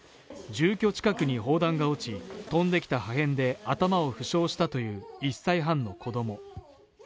住居近くに砲弾が落ち、飛んできた破片で頭を負傷したという１歳半の子供。